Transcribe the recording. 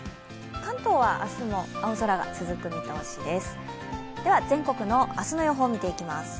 関東は明日も青空が続く見通しです。